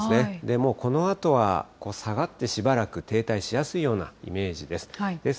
もうこのあとは下がってしばらく停滞しやすいようなイメージです。